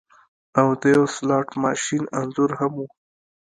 او د یو سلاټ ماشین انځور هم و